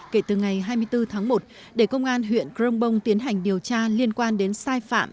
kể từ ngày hai mươi bốn tháng một để công an huyện crong bông tiến hành điều tra liên quan đến sai phạm